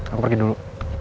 aku pergi dulu